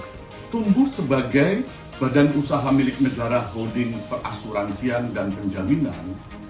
kita tumbuh sebagai badan usaha milik negara holding perasuransian dan penjaminan